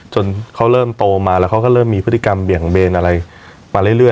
จนเขาเริ่มโตมาแล้วเขาก็เริ่มมีพฤติกรรมเบี่ยงเบนอะไรมาเรื่อย